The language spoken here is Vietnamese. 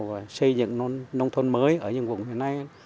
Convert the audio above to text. và xây dựng nông thôn mới ở những vùng thế này